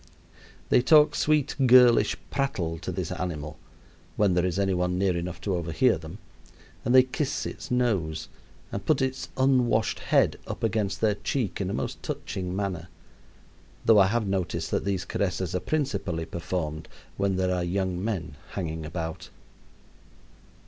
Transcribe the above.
They talk sweet girlish prattle to this animal (when there is any one near enough to overhear them), and they kiss its nose, and put its unwashed head up against their cheek in a most touching manner; though I have noticed that these caresses are principally performed when there are young men hanging about.